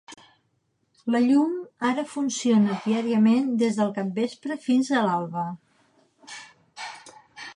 La llum ara funciona diàriament des del capvespre fins a l'alba.